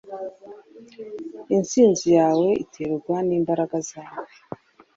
Intsinzi yawe iterwa nimbaraga zawe.